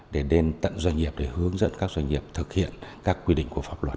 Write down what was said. để đến tận doanh nghiệp để hướng dẫn các doanh nghiệp thực hiện các quy định của pháp luật